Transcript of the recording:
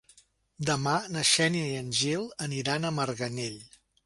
Demà na Xènia i en Gil aniran a Marganell.